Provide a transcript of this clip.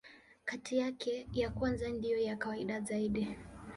Kati yake, ya kwanza ndiyo ya kawaida zaidi.